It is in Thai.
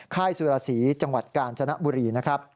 ค่ายสุรสีจังหวัดกาญจนบุรี